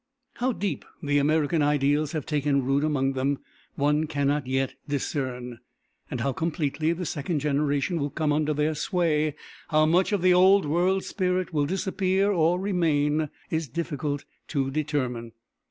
How deep the American ideals have taken root among them, one cannot yet discern; how completely the second generation will come under their sway, how much of the old world spirit will disappear or remain, is difficult to determine.